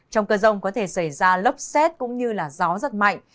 trong cơn rông có thể xảy ra lốc xét cũng như gió rất mạnh